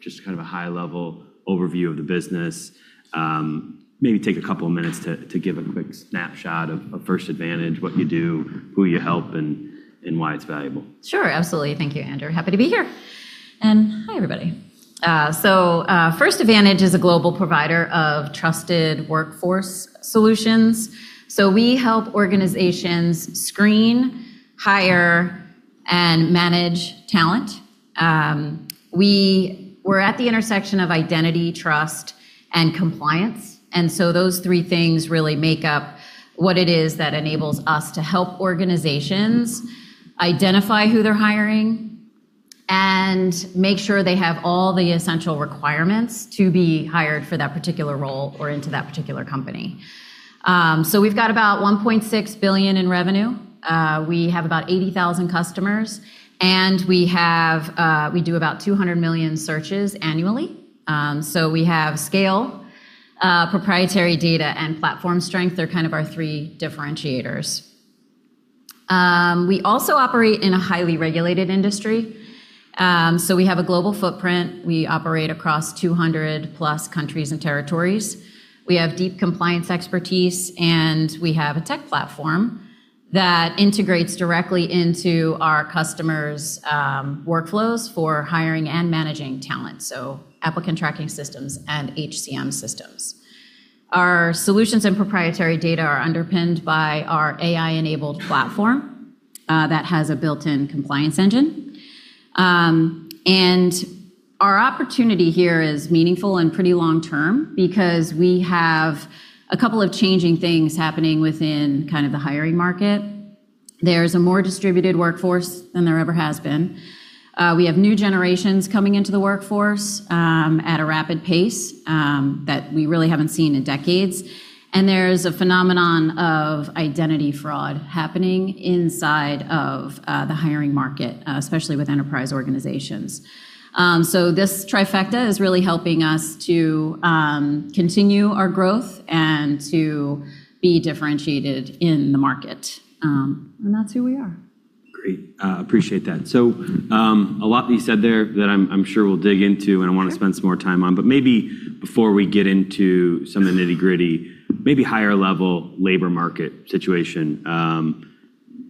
Just a high-level overview of the business. Maybe take a couple of minutes to give a quick snapshot of First Advantage, what you do, who you help, and why it's valuable. Sure, absolutely. Thank you, Andrew. Happy to be here. Hi, everybody. First Advantage is a global provider of trusted workforce solutions. We help organizations screen, hire, and manage talent. We're at the intersection of identity, trust, and compliance, and so those three things really make up what it is that enables us to help organizations identify who they're hiring and make sure they have all the essential requirements to be hired for that particular role or into that particular company. We've got about $1.6 billion in revenue. We have about 80,000 customers, and we do about 200 million searches annually. We have scale, proprietary data, and platform strength. They're our three differentiators. We also operate in a highly regulated industry. We have a global footprint. We operate across 200-plus countries and territories. We have deep compliance expertise, and we have a tech platform that integrates directly into our customers' workflows for hiring and managing talent, so applicant tracking systems and HCM systems. Our solutions and proprietary data are underpinned by our AI-enabled platform that has a built-in compliance engine. Our opportunity here is meaningful and pretty long-term because we have a couple of changing things happening within the hiring market. There's a more distributed workforce than there ever has been. We have new generations coming into the workforce at a rapid pace that we really haven't seen in decades, and there's a phenomenon of identity fraud happening inside of the hiring market, especially with enterprise organizations. This trifecta is really helping us to continue our growth and to be differentiated in the market. That's who we are. Great. Appreciate that. A lot that you said there that I'm sure we'll dig into, and I want to spend some more time on. Maybe before we get into some of the nitty-gritty, maybe higher-level labor market situation.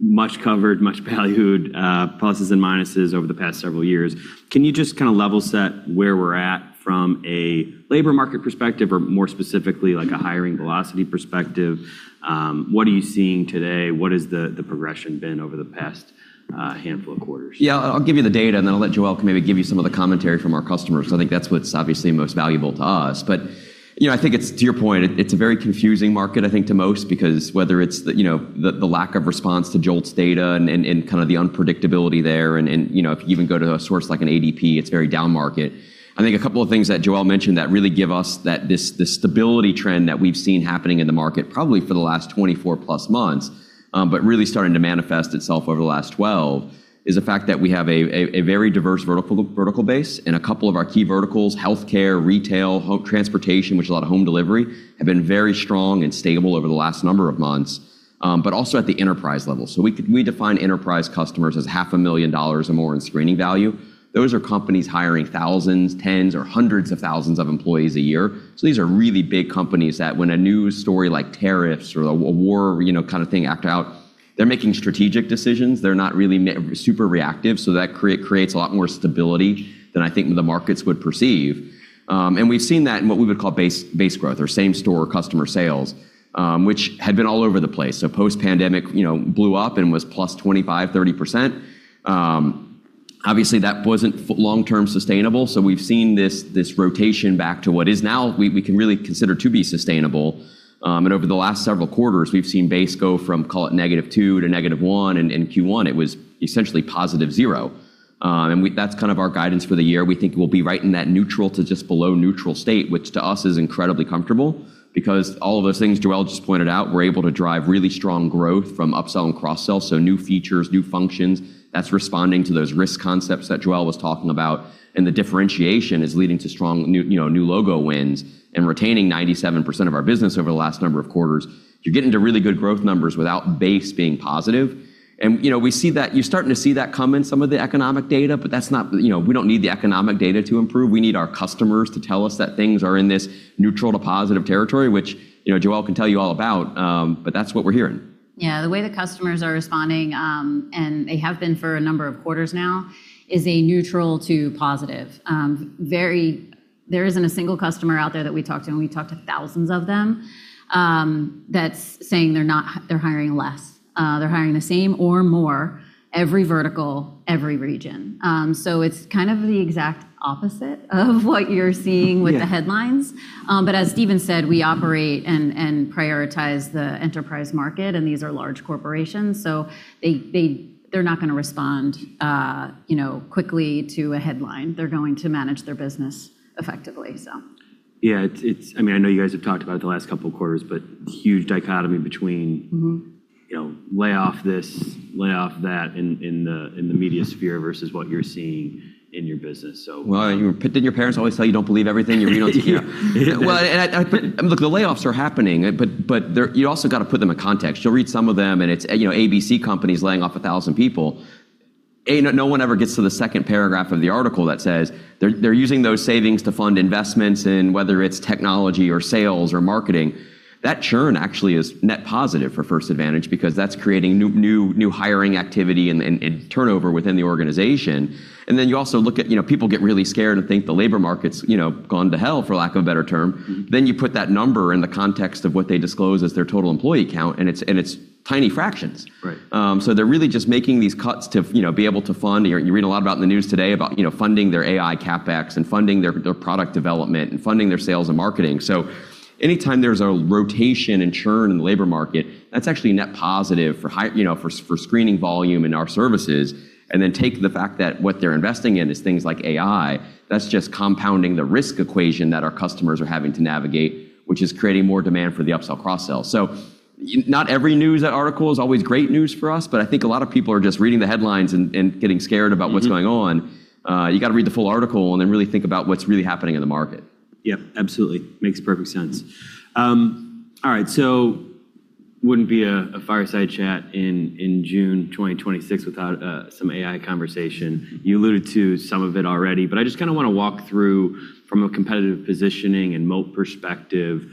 Much covered, much valued, pluses and minuses over the past several years. Can you just level-set where we're at from a labor market perspective or more specifically, like a hiring velocity perspective? What are you seeing today? What has the progression been over the past handful of quarters? Yeah. I'll give you the data, and then I'll let Joelle maybe give you some of the commentary from our customers, because I think that's what's obviously most valuable to us. I think it's to your point, it's a very confusing market, I think to most, because whether it's the lack of response to JOLTS data and the unpredictability there, and if you even go to a source like an ADP, it's very down market. I think a couple of things that Joelle mentioned that really give us this stability trend that we've seen happening in the market probably for the last 24+ months, but really starting to manifest itself over the last 12, is the fact that we have a very diverse vertical base in a couple of our key verticals, healthcare, retail, transportation, which a lot of home delivery, have been very strong and stable over the last number of months, but also at the enterprise level. We define enterprise customers as half a million dollars or more in screening value. Those are companies hiring thousands, tens, or hundreds of thousands of employees a year. These are really big companies that when a news story like tariffs or a war kind of thing act out, they're making strategic decisions. They're not really super reactive. That creates a lot more stability than I think the markets would perceive. We've seen that in what we would call base growth or same-store customer sales, which had been all over the place. Post-pandemic blew up and was +25%-30%. Obviously, that wasn't long-term sustainable. We've seen this rotation back to what is now we can really consider to be sustainable. Over the last several quarters, we've seen base go from, call it -2% to -1%, and in Q1, it was essentially +0%. That's our guidance for the year. We think we'll be right in that neutral to just below neutral state, which to us is incredibly comfortable because all of those things Joelle just pointed out, we're able to drive really strong growth from upsell and cross-sell, so new features, new functions. That's responding to those risk concepts that Joelle was talking about, the differentiation is leading to strong new logo wins and retaining 97% of our business over the last number of quarters. You're getting to really good growth numbers without base being positive. You're starting to see that come in some of the economic data, we don't need the economic data to improve. We need our customers to tell us that things are in this neutral to positive territory, which Joelle can tell you all about, that's what we're hearing. Yeah. The way the customers are responding, and they have been for a number of quarters now, is a neutral to positive. There isn't a single customer out there that we talk to, and we talk to thousands of them, that's saying they're hiring less. They're hiring the same or more every vertical, every region. It's the exact opposite of what you're seeing with the headlines. As Scott said, we operate and prioritize the enterprise market, and these are large corporations, so they're not going to respond quickly to a headline. They're going to manage their business effectively. Yeah. I know you guys have talked about it the last couple of quarters, but huge dichotomy between- lay off this, lay off that in the media sphere versus what you're seeing in your business. Well, didn't your parents always tell you don't believe everything you read on Twitter? Well, look, the layoffs are happening, but you also got to put them in context. You'll read some of them, and it's ABC company's laying off 1,000 people. No one ever gets to the second paragraph of the article that says they're using those savings to fund investments in whether it's technology or sales or marketing. That churn actually is net positive for First Advantage because that's creating new hiring activity and turnover within the organization. Then you also look at, people get really scared and think the labor market's gone to hell, for lack of a better term. You put that number in the context of what they disclose as their total employee count, and it's tiny fractions. Right. They're really just making these cuts to be able to fund. You read a lot about in the news today about funding their AI CapEx and funding their product development and funding their sales and marketing. Anytime there's a rotation and churn in the labor market, that's actually net positive for screening volume in our services and then take the fact that what they're investing in is things like AI. That's just compounding the risk equation that our customers are having to navigate, which is creating more demand for the upsell, cross-sell. Not every news article is always great news for us, but I think a lot of people are just reading the headlines and getting scared about what's going on. You got to read the full article and then really think about what's really happening in the market. Yep, absolutely. Makes perfect sense. All right. Wouldn't be a Fireside Chat in June 2026 without some AI conversation. You alluded to some of it already, but I just want to walk through from a competitive positioning and moat perspective,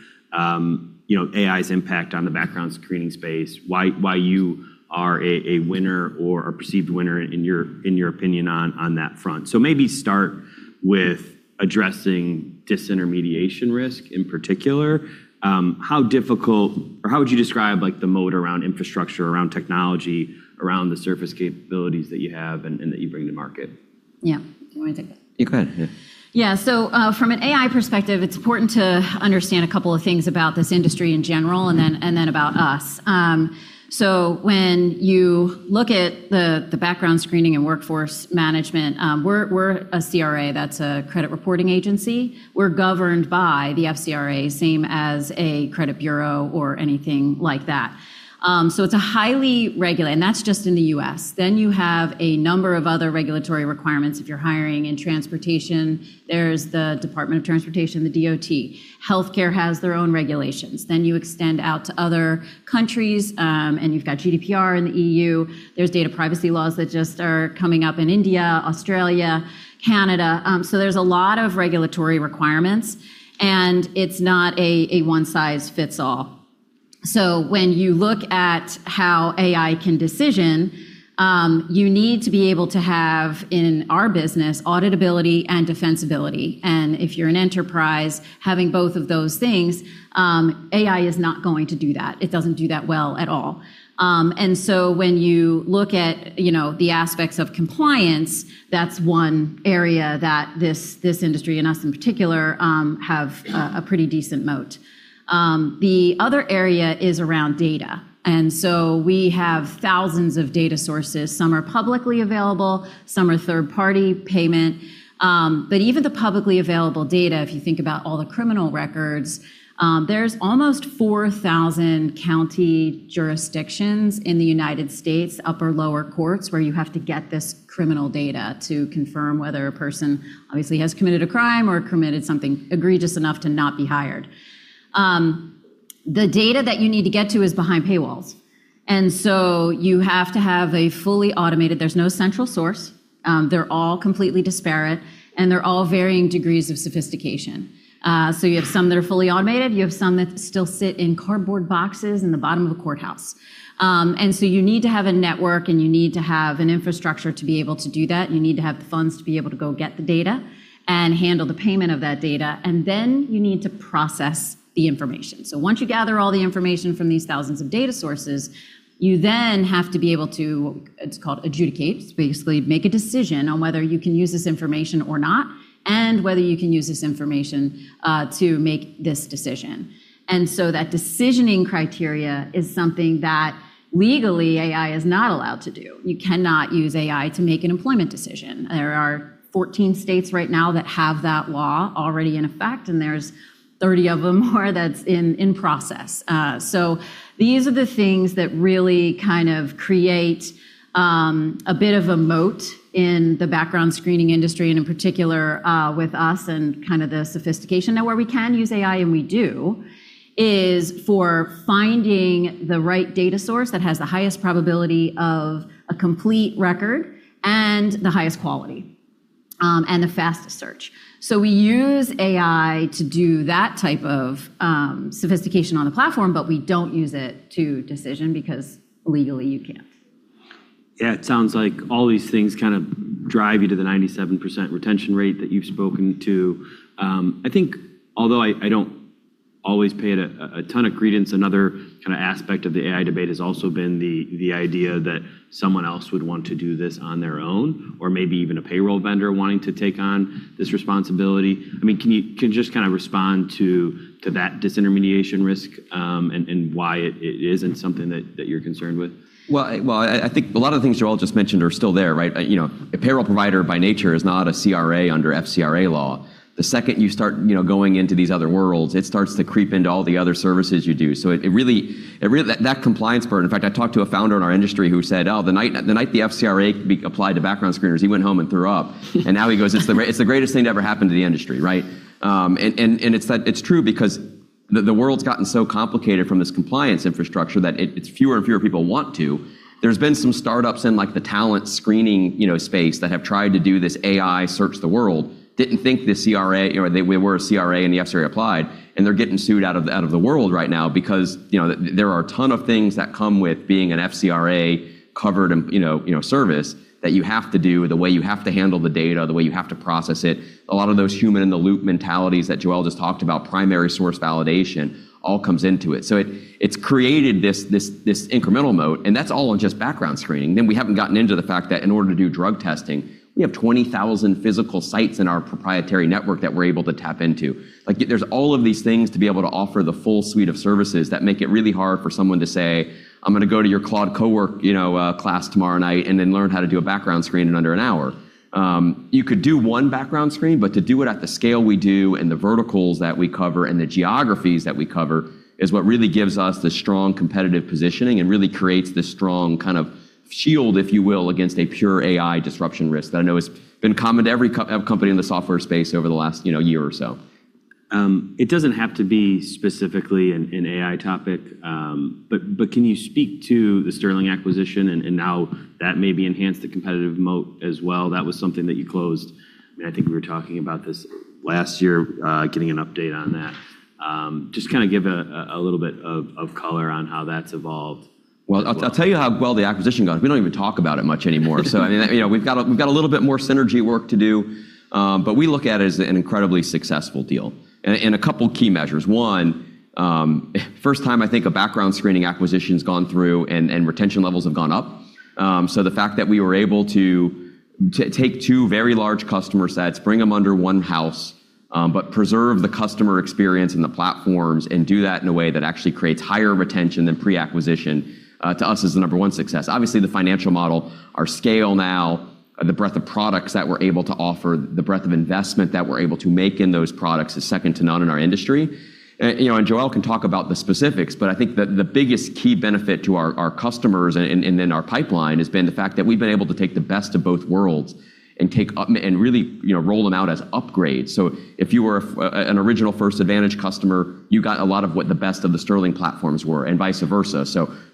AI's impact on the background screening space, why you are a winner or a perceived winner in your opinion on that front. Maybe start with addressing disintermediation risk in particular. How difficult or how would you describe the moat around infrastructure, around technology, around the surface capabilities that you have and that you bring to market? Yeah. Do you want to take that? You go ahead. Yeah. From an AI perspective, it's important to understand a couple of things about this industry in general and then about us. When you look at the background screening and workforce management, we're a CRA. That's a consumer reporting agency. We're governed by the FCRA, same as a credit bureau or anything like that. It's highly regulated, and that's just in the U.S. You have a number of other regulatory requirements if you're hiring in transportation. There's the Department of Transportation, the DOT. Healthcare has their own regulations. You extend out to other countries, and you've got GDPR in the EU. There's data privacy laws that just are coming up in India, Australia, Canada. There's a lot of regulatory requirements, and it's not a one-size-fits-all. When you look at how AI can decision, you need to be able to have, in our business, auditability and defensibility. If you're an enterprise having both of those things, AI is not going to do that. It doesn't do that well at all. When you look at the aspects of compliance, that's one area that this industry and us, in particular, have a pretty decent moat. The other area is around data. We have thousands of data sources. Some are publicly available, some are third-party payment. Even the publicly available data, if you think about all the criminal records, there's almost 4,000 county jurisdictions in the U.S., upper, lower courts, where you have to get this criminal data to confirm whether a person obviously has committed a crime or committed something egregious enough to not be hired. The data that you need to get to is behind paywalls. There's no central source. They're all completely disparate, and they're all varying degrees of sophistication. You have some that are fully automated. You have some that still sit in cardboard boxes in the bottom of a courthouse. You need to have a network, and you need to have an infrastructure to be able to do that. You need to have the funds to be able to go get the data and handle the payment of that data, and then you need to process the information. Once you gather all the information from these thousands of data sources, you then have to be able to, it's called adjudicate, basically make a decision on whether you can use this information or not and whether you can use this information to make this decision. That decisioning criteria is something that legally AI is not allowed to do. You cannot use AI to make an employment decision. There are 14 states right now that have that law already in effect, there's 30 of them more that's in process. These are the things that really create a bit of a moat in the background screening industry and in particular, with us and the sophistication. Where we can use AI and we do is for finding the right data source that has the highest probability of a complete record and the highest quality, and the fastest search. We use AI to do that type of sophistication on the platform, but we don't use it to adjudicate because legally you can't. Yeah, it sounds like all these things drive you to the 97% retention rate that you've spoken to. I think although I don't always pay it a ton of credence, another aspect of the AI debate has also been the idea that someone else would want to do this on their own or maybe even a payroll vendor wanting to take on this responsibility. Can you just respond to that disintermediation risk, and why it isn't something that you're concerned with? Well, I think a lot of the things Joelle just mentioned are still there, right? A payroll provider by nature is not a CRA under FCRA law. The second you start going into these other worlds, it starts to creep into all the other services you do. That compliance part, in fact, I talked to a founder in our industry who said, the night the FCRA applied to background screeners, he went home and threw up. Now he goes, it's the greatest thing to ever happen to the industry, right? It's true because the world's gotten so complicated from this compliance infrastructure that it's fewer and fewer people want to. There's been some startups in the talent screening space that have tried to do this AI search the world, didn't think they were a CRA in the FCRA applied, and they're getting sued out of the world right now because there are a ton of things that come with being an FCRA-covered service that you have to do, the way you have to handle the data, the way you have to process it. A lot of those human-in-the-loop mentalities that Joelle just talked about, primary source validation, all comes into it. It's created this incremental mode, and that's all on just background screening. We haven't gotten into the fact that in order to do drug testing, we have 20,000 physical sites in our proprietary network that we're able to tap into. There's all of these things to be able to offer the full suite of services that make it really hard for someone to say, "I'm going to go to your Claude Cowork class tomorrow night and then learn how to do a background screen in under an hour." You could do one background screen, but to do it at the scale we do and the verticals that we cover and the geographies that we cover is what really gives us the strong competitive positioning and really creates this strong kind of shield, if you will, against a pure AI disruption risk that I know has been common to every company in the software space over the last year or so. It doesn't have to be specifically an AI topic. Can you speak to the Sterling acquisition and how that maybe enhanced the competitive moat as well? That was something that you closed, I think we were talking about this last year, getting an update on that. Just give a little bit of color on how that's evolved. Well, I'll tell you how well the acquisition got. We don't even talk about it much anymore. We've got a little bit more synergy work to do. We look at it as an incredibly successful deal in a couple key measures. One, first time I think a background screening acquisition's gone through and retention levels have gone up. The fact that we were able to take two very large customer sets, bring them under one house, but preserve the customer experience and the platforms and do that in a way that actually creates higher retention than pre-acquisition, to us is the number one success. Obviously, the financial model, our scale now, the breadth of products that we're able to offer, the breadth of investment that we're able to make in those products is second to none in our industry. Joelle can talk about the specifics, but I think the biggest key benefit to our customers and in our pipeline has been the fact that we've been able to take the best of both worlds and really roll them out as upgrades. If you were an original First Advantage customer, you got a lot of what the best of the Sterling platforms were, and vice versa.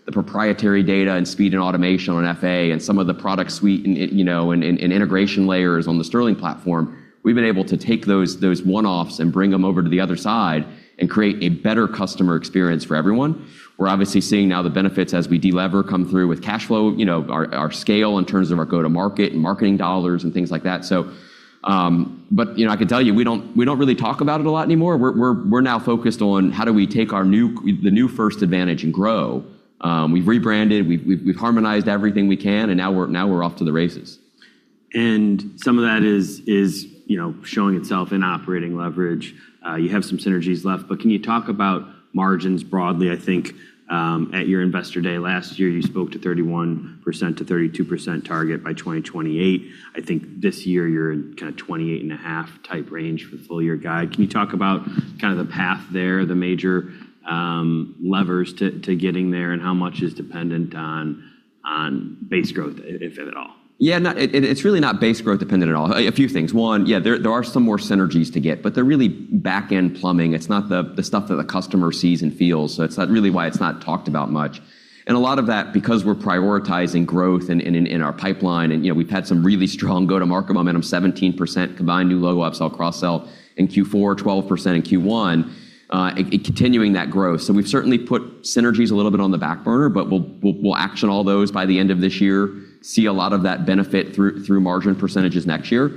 The proprietary data and speed and automation on FA and some of the product suite and integration layers on the Sterling platform, we've been able to take those one-offs and bring them over to the other side and create a better customer experience for everyone. We're obviously seeing now the benefits as we de-lever come through with cash flow, our scale in terms of our go-to-market and marketing dollars and things like that. I can tell you, we don't really talk about it a lot anymore. We're now focused on how do we take the new First Advantage and grow. We've rebranded, we've harmonized everything we can, and now we're off to the races. Some of that is showing itself in operating leverage. You have some synergies left, but can you talk about margins broadly? At your Investor Day last year, you spoke to 31%-32% target by 2028. This year you're in 28.5% type range for the full year guide. Can you talk about the path there, the major levers to getting there, and how much is dependent on base growth, if at all? Yeah. It's really not base growth dependent at all. A few things. One, yeah, there are some more synergies to get, but they're really back-end plumbing. It's not the stuff that the customer sees and feels, so it's not really why it's not talked about much. A lot of that because we're prioritizing growth in our pipeline and we've had some really strong go-to-market momentum, 17% combined new logo upsell, cross-sell in Q4, 12% in Q1, continuing that growth. We've certainly put synergies a little bit on the back burner, but we'll action all those by the end of this year, see a lot of that benefit through margin percentages next year.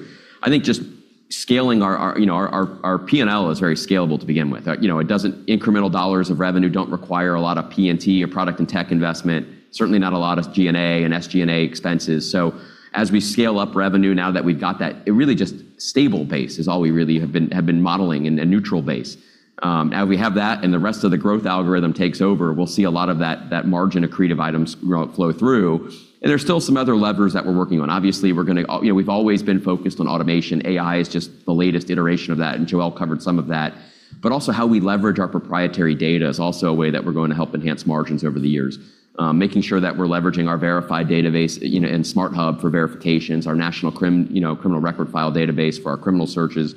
I think just scaling our P&L is very scalable to begin with. Incremental dollars of revenue don't require a lot of P&T or product and tech investment. Certainly not a lot of G&A and SG&A expenses. As we scale up revenue now that we've got that, it really just stable base is all we really have been modeling in a neutral base. As we have that and the rest of the growth algorithm takes over, we'll see a lot of that margin accretive items flow through. There's still some other levers that we're working on. Obviously, we've always been focused on automation. AI is just the latest iteration of that, and Joelle covered some of that. Also how we leverage our proprietary data is also a way that we're going to help enhance margins over the years. Making sure that we're leveraging our Verified! database and Smart Hub for verifications, our National Criminal Record File database for our criminal searches.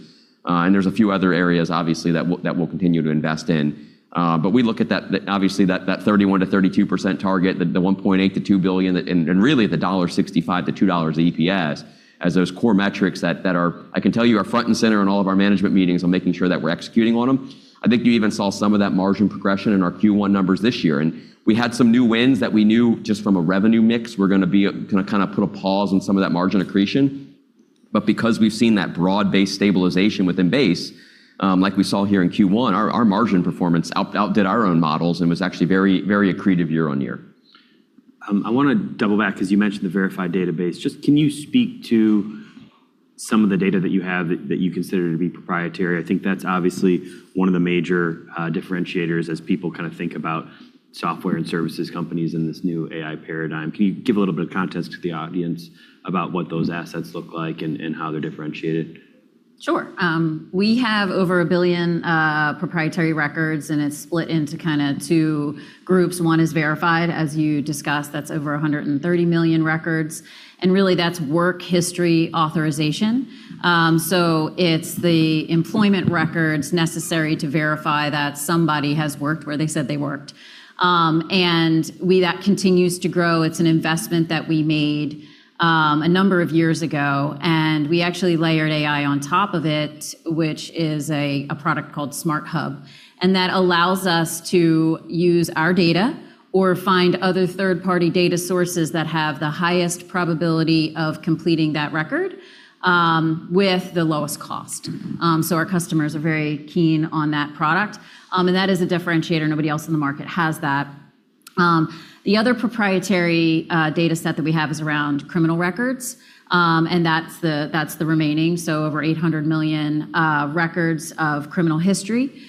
There's a few other areas, obviously, that we'll continue to invest in. We look at that, obviously, that 31%-32% target, the $1.8 billion-$2 billion, and really the $1.65-$2 EPS as those core metrics that are, I can tell you, are front and center in all of our management meetings on making sure that we're executing on them. I think you even saw some of that margin progression in our Q1 numbers this year. We had some new wins that we knew just from a revenue mix were going to put a pause on some of that margin accretion. Because we've seen that broad-based stabilization within base, like we saw here in Q1, our margin performance outdid our own models and was actually very accretive year-on-year. I want to double back because you mentioned the Verified! database. Just can you speak to some of the data that you have that you consider to be proprietary? I think that's obviously one of the major differentiators as people think about software and services companies in this new AI paradigm. Can you give a little bit of context to the audience about what those assets look like and how they're differentiated? Sure. We have over 1 billion proprietary records, and it's split into two groups. One is verified, as you discussed. That's over 130 million records, and really that's work history authorization. It's the employment records necessary to verify that somebody has worked where they said they worked. That continues to grow. It's an investment that we made a number of years ago, and we actually layered AI on top of it, which is a product called Smart Hub. That allows us to use our data or find other third-party data sources that have the highest probability of completing that record, with the lowest cost. Our customers are very keen on that product. That is a differentiator. Nobody else in the market has that. The other proprietary data set that we have is around criminal records, and that's the remaining, so over 800 million records of criminal history.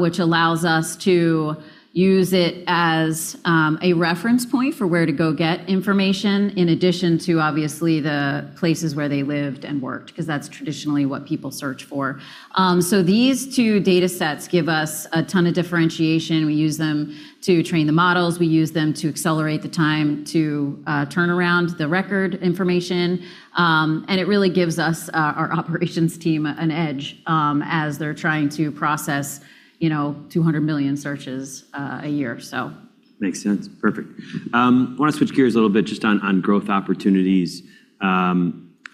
Which allows us to use it as a reference point for where to go get information, in addition to, obviously, the places where they lived and worked, because that's traditionally what people search for. These two data sets give us a ton of differentiation. We use them to train the models. We use them to accelerate the time to turn around the record information. It really gives our operations team an edge as they're trying to process 200 million searches a year. Makes sense. Perfect. I want to switch gears a little bit just on growth opportunities.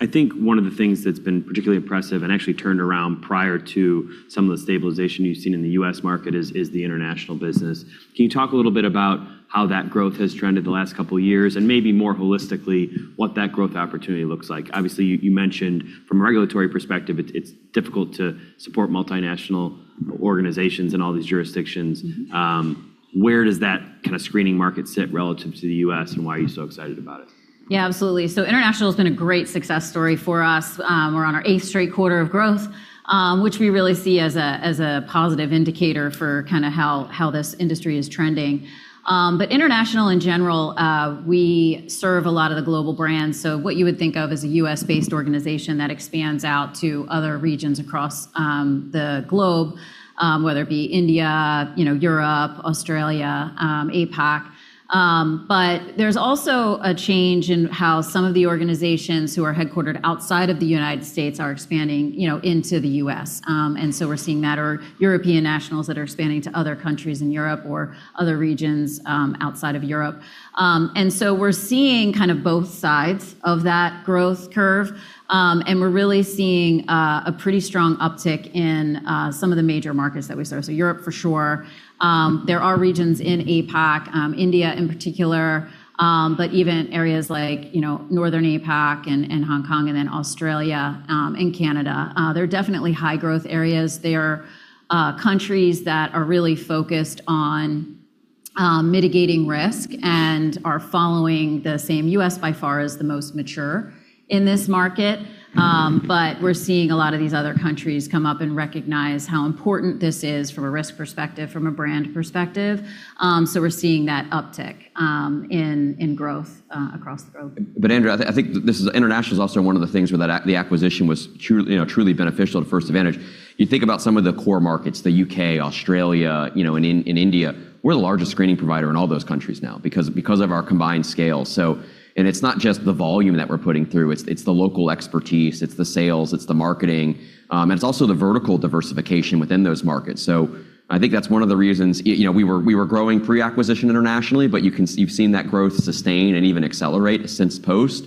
I think one of the things that's been particularly impressive and actually turned around prior to some of the stabilization you've seen in the U.S. market is the international business. Can you talk a little bit about how that growth has trended the last couple of years and maybe more holistically what that growth opportunity looks like? Obviously, you mentioned from a regulatory perspective, it's difficult to support multinational organizations in all these jurisdictions. Where does that screening market sit relative to the U.S., and why are you so excited about it? Yeah, absolutely. International has been a great success story for us. We're on our eighth straight quarter of growth, which we really see as a positive indicator for how this industry is trending. International in general, we serve a lot of the global brands, so what you would think of as a U.S.-based organization that expands out to other regions across the globe, whether it be India, Europe, Australia, APAC. We're seeing that, or European nationals that are expanding into the U.S. We're seeing both sides of that growth curve. We're really seeing a pretty strong uptick in some of the major markets that we serve. Europe for sure. There are regions in APAC, India in particular, but even areas like Northern APAC and Hong Kong, and then Australia and Canada. They're definitely high-growth areas. They are countries that are really focused on mitigating risk and are following. U.S., by far, is the most mature in this market. We're seeing a lot of these other countries come up and recognize how important this is from a risk perspective, from a brand perspective. We're seeing that uptick in growth across the globe. Andrew, I think international is also one of the things where the acquisition was truly beneficial to First Advantage. You think about some of the core markets, the U.K., Australia, and India. We're the largest screening provider in all those countries now because of our combined scale. It's not just the volume that we're putting through, it's the local expertise, it's the sales, it's the marketing, and it's also the vertical diversification within those markets. I think that's one of the reasons. We were growing pre-acquisition internationally, you've seen that growth sustain and even accelerate since post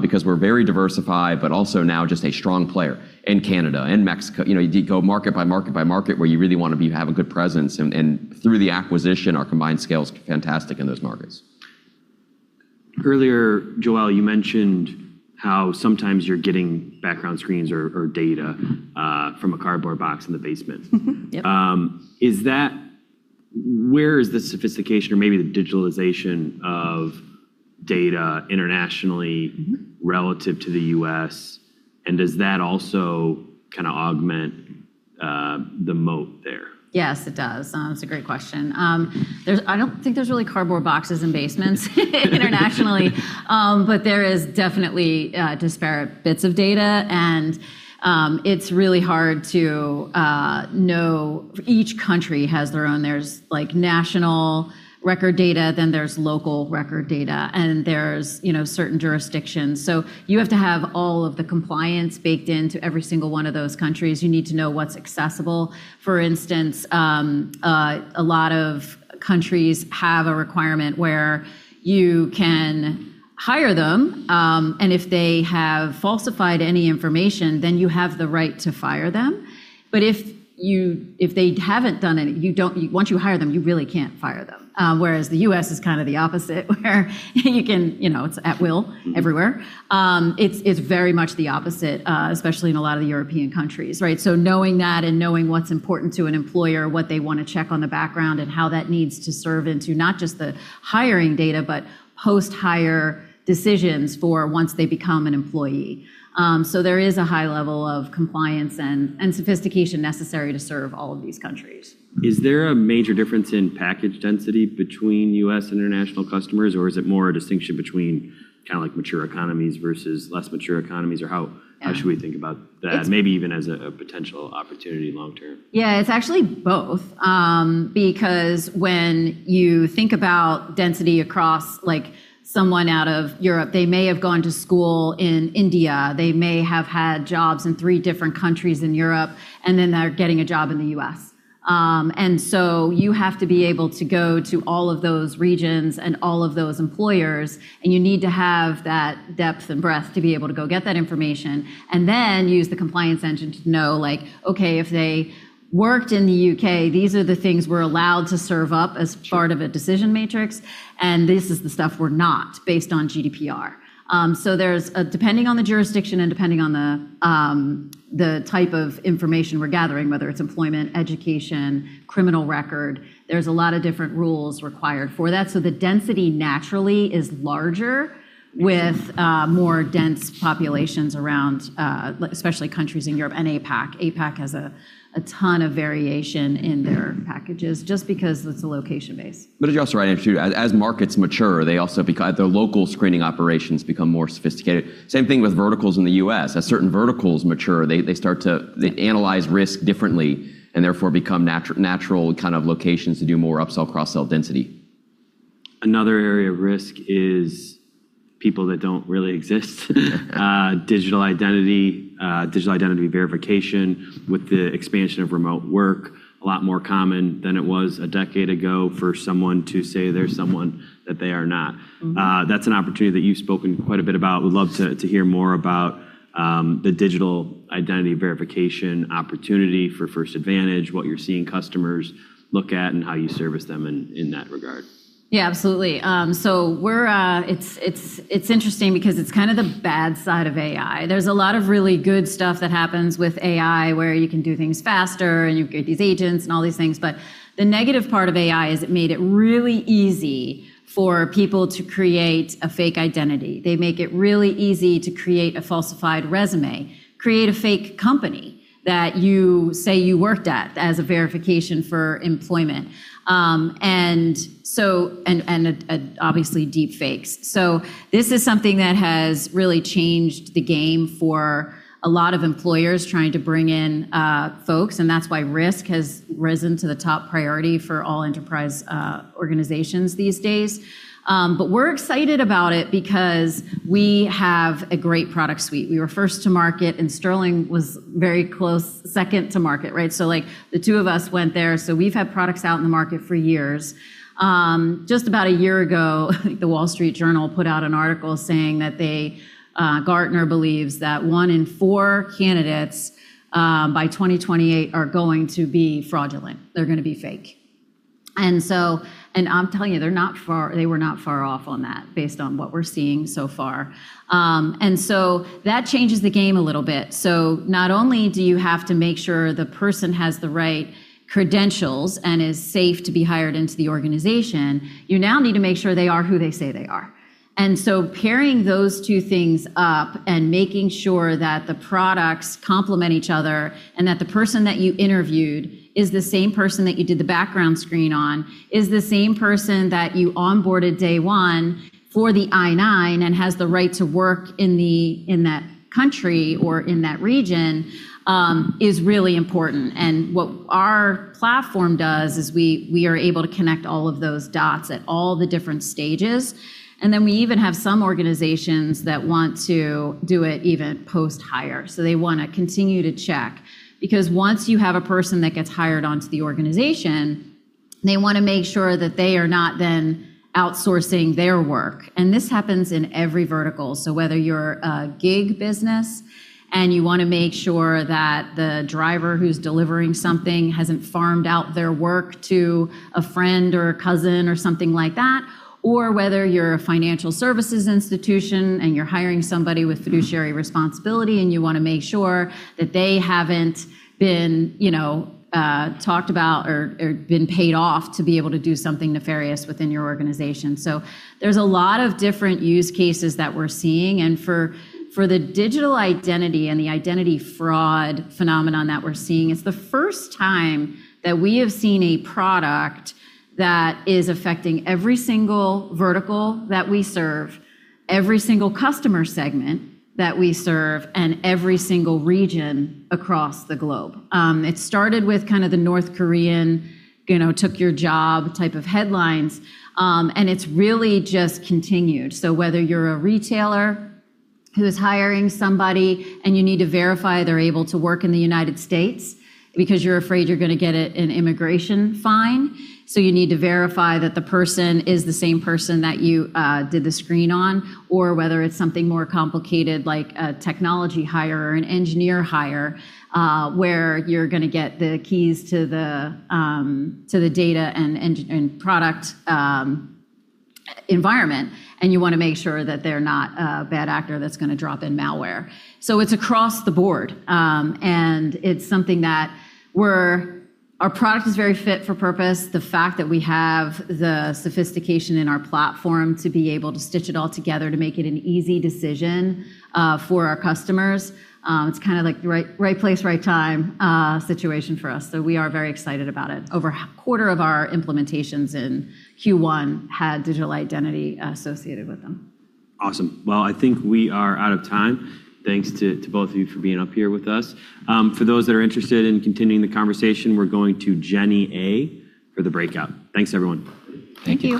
because we're very diversified, also now just a strong player in Canada and Mexico. You go market by market by market where you really want to have a good presence, through the acquisition, our combined scale is fantastic in those markets. Earlier, Joelle, you mentioned how sometimes you're getting background screens or data from a cardboard box in the basement. Yep. Where is the sophistication or maybe the digitalization of data internationally? relative to the U.S., and does that also augment the moat there? Yes, it does. That's a great question. I don't think there's really cardboard boxes in basements internationally. There is definitely disparate bits of data, and it's really hard to know. Each country has their own. There's national record data, then there's local record data, and there's certain jurisdictions. You have to have all of the compliance baked into every single one of those countries. You need to know what's accessible. For instance, a lot of countries have a requirement where you can hire them, and if they have falsified any information, then you have the right to fire them. If they haven't done any. Once you hire them, you really can't fire them. Whereas the U.S. is the opposite where it's at will everywhere. It's very much the opposite, especially in a lot of the European countries, right? Knowing that and knowing what's important to an employer, what they want to check on the background, and how that needs to serve into not just the hiring data but post-hire decisions for once they become an employee. There is a high level of compliance and sophistication necessary to serve all of these countries. Is there a major difference in package density between U.S. and international customers, or is it more a distinction between mature economies versus less mature economies? Or how- Yeah Should we think about that, maybe even as a potential opportunity long term? Yeah, it's actually both. When you think about density across someone out of Europe, they may have gone to school in India, they may have had jobs in three different countries in Europe, then they're getting a job in the U.S. You have to be able to go to all of those regions and all of those employers, and you need to have that depth and breadth to be able to go get that information and then use the compliance engine to know, like, okay, if they worked in the U.K., these are the things we're allowed to serve up. Sure of a decision matrix, and this is the stuff we're not, based on GDPR. There's, depending on the jurisdiction and depending on the type of information we're gathering, whether it's employment, education, criminal record, there's a lot of different rules required for that. The density naturally is larger with- more dense populations around, especially countries in Europe and APAC. APAC has a ton of variation in their packages just because it's location-based. You're also right, too. As markets mature, their local screening operations become more sophisticated. Same thing with verticals in the U.S. As certain verticals mature, they analyze risk differently and therefore become natural kind of locations to do more upsell, cross-sell density. Another area of risk is people that don't really exist. digital identity verification with the expansion of remote work, a lot more common than it was a decade ago for someone to say they're someone that they are not. That's an opportunity that you've spoken quite a bit about. Would love to hear more about the digital identity verification opportunity for First Advantage, what you're seeing customers look at, and how you service them in that regard. Yeah, absolutely. It's interesting because it's kind of the bad side of AI. There's a lot of really good stuff that happens with AI, where you can do things faster and you've got these agents and all these things, but the negative part of AI is it made it really easy for people to create a fake identity. They make it really easy to create a falsified resume, create a fake company that you say you worked at as a verification for employment, and obviously deep fakes. This is something that has really changed the game for a lot of employers trying to bring in folks, and that's why risk has risen to the top priority for all enterprise organizations these days. We're excited about it because we have a great product suite. We were first to market, and Sterling was very close second to market, right? The two of us went there, so we've had products out in the market for years. Just about a year ago, The Wall Street Journal put out an article saying that Gartner believes that one in four candidates by 2028 are going to be fraudulent. They're going to be fake. I'm telling you, they were not far off on that based on what we're seeing so far. That changes the game a little bit. Not only do you have to make sure the person has the right credentials and is safe to be hired into the organization, you now need to make sure they are who they say they are. Pairing those two things up and making sure that the products complement each other, and that the person that you interviewed is the same person that you did the background screen on, is the same person that you onboarded day one for the I-9 and has the right to work in that country or in that region, is really important. What our platform does is we are able to connect all of those dots at all the different stages. We even have some organizations that want to do it even post-hire. They want to continue to check because once you have a person that gets hired onto the organization, they want to make sure that they are not then outsourcing their work. This happens in every vertical. Whether you're a gig business and you want to make sure that the driver who's delivering something hasn't farmed out their work to a friend or a cousin or something like that, or whether you're a financial services institution and you're hiring somebody with fiduciary responsibility and you want to make sure that they haven't been talked about or been paid off to be able to do something nefarious within your organization. There's a lot of different use cases that we're seeing, and for the digital identity and the identity fraud phenomenon that we're seeing, it's the first time that we have seen a product that is affecting every single vertical that we serve, every single customer segment that we serve, and every single region across the globe. It started with kind of the North Korean took your job type of headlines, and it's really just continued. Whether you're a retailer who is hiring somebody and you need to verify they're able to work in the United States because you're afraid you're going to get an immigration fine. You need to verify that the person is the same person that you did the screen on, or whether it's something more complicated like a technology hire or an engineer hire, where you're going to get the keys to the data and product environment, and you want to make sure that they're not a bad actor that's going to drop in malware. It's across the board, and it's something that our product is very fit for purpose. The fact that we have the sophistication in our platform to be able to stitch it all together to make it an easy decision for our customers, it's kind of like right place, right time situation for us. We are very excited about it. Over a quarter of our implementations in Q1 had digital identity associated with them. Awesome. Well, I think we are out of time. Thanks to both of you for being up here with us. For those that are interested in continuing the conversation, we're going to Jenny A for the breakout. Thanks, everyone. Thank you.